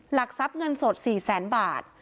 หลักทรัพย์เงินสด๔แสนบาท